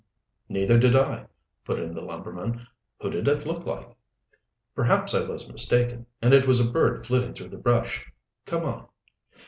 "Neither did I," put in the lumberman. "Who did it look like?" "Perhaps I was mistaken and it was a bird flitting through the brush. Come on."